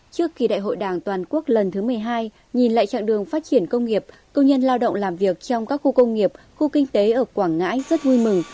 trước khi đại hội đảng toàn quốc lần thứ một mươi hai nhìn lại trạng đường phát triển công nghiệp công nhân lao động làm việc trong các khu công nghiệp khu kinh tế ở quảng ngãi rất vui mừng